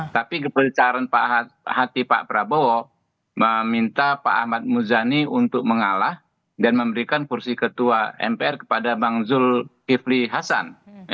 tapi perbicaraan hati pak prabowo meminta pak ahmad muzani untuk mengalah dan memberikan kursi ketua mpr kepada bang zulkifli hasan